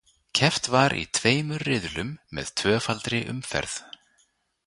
Keppt var í tveimur riðlum með tvöfaldri umferð.